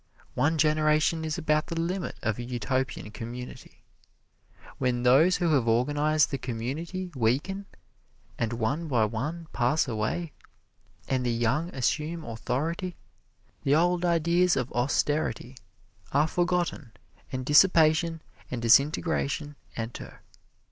One generation is about the limit of a Utopian Community. When those who have organized the community weaken and one by one pass away, and the young assume authority, the old ideas of austerity are forgotten and dissipation and disintegration enter.